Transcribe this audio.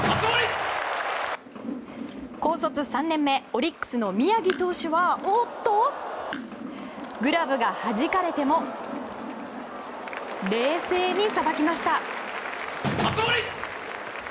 オリックスの宮城投手はおっと、グラブがはじかれても冷静にさばきました。